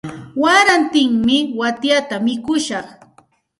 Warantimi waytata mikushaq.